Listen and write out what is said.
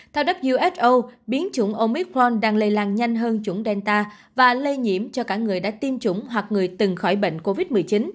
theo wso biến chủng omicron đang lây lan nhanh hơn chủng delta và lây nhiễm cho cả người đã tiêm chủng hoặc người từng khỏi bệnh covid một mươi chín